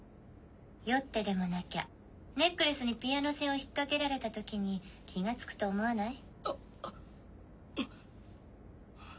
酔ってでもなきゃネックレスにピアノ線を引っ掛けられた時に気がつくと思わない？あっ。